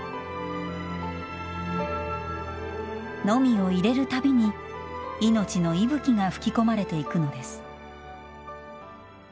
のみを入れる度に命の息吹が吹き込まれていくのです。